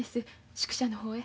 宿舎の方へ。